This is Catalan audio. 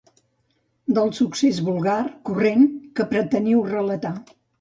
Del succés vulgar, corrent, que preteniu relatar.